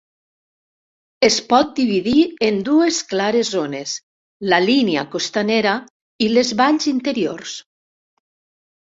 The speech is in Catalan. Es pot dividir en dues clares zones, la línia costanera i les valls interiors.